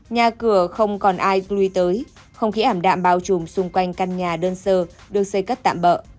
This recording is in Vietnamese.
nhà cửa không còn ai lui tới không khí ảm đạm bao trùm xung quanh căn nhà đơn sơ được xây cất tạm bỡ